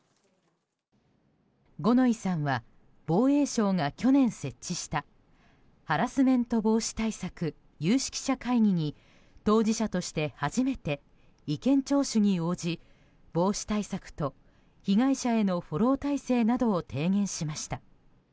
五ノ井さんは防衛省が去年、設置したハラスメント防止対策有識者会議に当事者として初めて意見聴取に応じ防止対策と被害者へのフォロー体制などを提言しました。